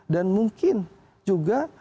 dan mungkin juga